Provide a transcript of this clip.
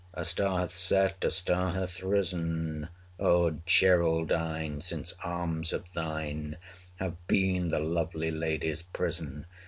A star hath set, a star hath risen, O Geraldine! since arms of thine Have been the lovely lady's prison.